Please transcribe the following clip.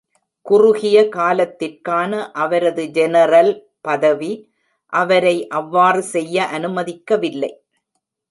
குறுகிய காலத்திற்கான அவரது ஜெனரல் பதவி அவரை அவ்வாறு செய்ய அனுமதிக்கவில்லை